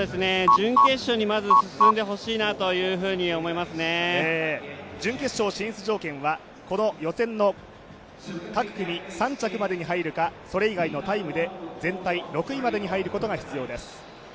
準決勝進出条件はこの予選の各組３着までに入るかそれ以外のタイムで全体６位までに入ることが必要です